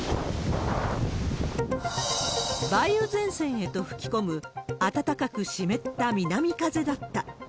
梅雨前線へと吹き込む、暖かく湿った南風だった。